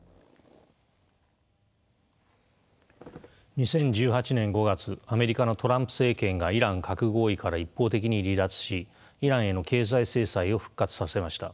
２０１８年５月アメリカのトランプ政権がイラン核合意から一方的に離脱しイランへの経済制裁を復活させました。